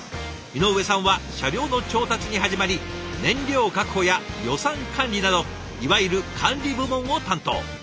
井上さんは車両の調達に始まり燃料確保や予算管理などいわゆる管理部門を担当。